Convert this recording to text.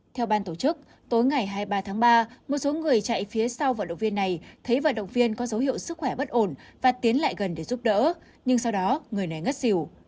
theo ban tổ chức tối ngày hai mươi ba tháng ba một số người chạy phía sau vận động viên này thấy vận động viên có dấu hiệu sức khỏe bất ổn và tiến lại gần để giúp đỡ nhưng sau đó người này ngất xỉu